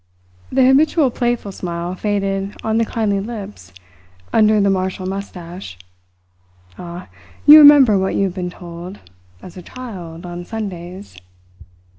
The habitual playful smile faded on the kindly lips under the martial moustache. "Ah, you remember what you have been told as a child on Sundays."